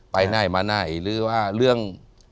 ไปไหนมาไหนหรือว่าเรื่อง